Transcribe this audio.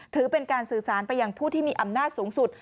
ถือเป็นการสื่อสารไปยังผู้ที่มีอำนาจสูงสุด